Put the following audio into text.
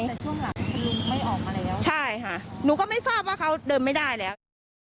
แต่ช่วงหลังคุณลุงไม่ออกมาแล้วใช่ค่ะหนูก็ไม่ทราบว่าเขาเดินไม่ได้แล้ว